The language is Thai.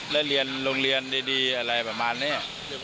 แล้วเรียนโรงเรียนดีประมาณนี้